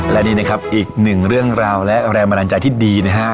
และนี่นะครับอีกหนึ่งเรื่องราวและแรงบันดาลใจที่ดีนะฮะ